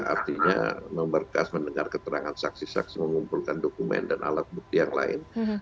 artinya memberkas mendengar keterangan saksi saksi mengumpulkan dokumen dan alat bukti yang lain